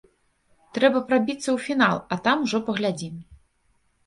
Трэба прабіцца ў фінал, а там ужо паглядзім.